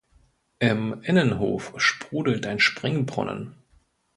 Im Innenhof sprudelt ein Springbrunnen.